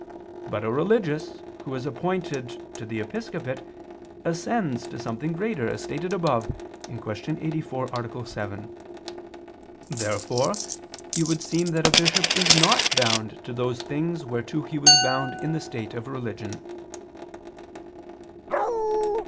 But a religious who is appointed to the episcopate ascends to something greater, as stated above (Q. 84, A. 7). Therefore it would seem that a bishop is not bound to those things whereto he was bound in the state of religion.